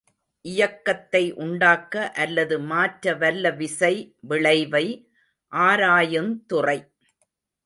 இயக்கத்தை உண்டாக்க அல்லது மாற்றவல்ல விசை விளைவை ஆராயுந்துறை.